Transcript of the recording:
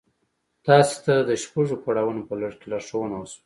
تاسې ته د شپږو پړاوونو په لړ کې لارښوونه وشوه.